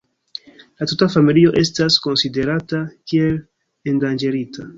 La tuta familio estas konsiderata kiel endanĝerita.